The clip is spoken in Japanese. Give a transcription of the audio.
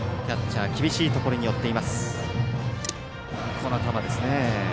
この球ですね。